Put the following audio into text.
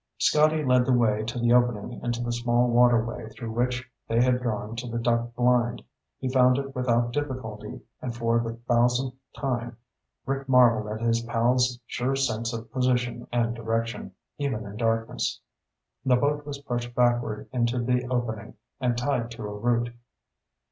Scotty led the way to the opening into the small waterway through which they had gone to the duck blind. He found it without difficulty, and for the thousandth time Rick marveled at his pal's sure sense of position and direction, even in darkness. The boat was pushed backward into the opening and tied to a root.